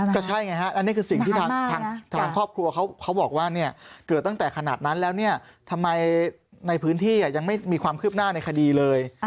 ก็ใช่ไงฮะอันนี้คือสิ่งที่ทางครอบครัวเขาบอกว่าเกิดตั้งแต่ขนาดนั้นแล้วเนี่ยทำไมในพื้นที่ยังไม่มีความคืบหน้าในคดีเลย